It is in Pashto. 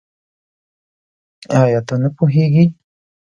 آيا ته نه پوهېږې؟